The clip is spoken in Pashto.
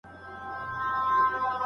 ټولنپوهنه د څېړنې د هدف له مخې وېشل کیږي.